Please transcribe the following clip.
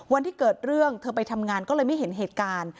วันที่เกิดเรื่องเธอไปทำงานก็เลยไม่เห็นเหตุการณ์